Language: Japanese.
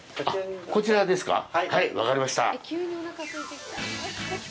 あっ、こちらですか？